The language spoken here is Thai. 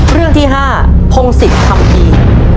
เรื่องที่ห้าพงศิษย์ทำปี